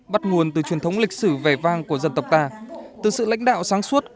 bắt nguồn từ truyền thống lịch sử vẻ vang của dân tộc ta từ sự lãnh đạo sáng suốt